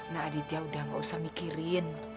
nah aditya udah gak usah mikirin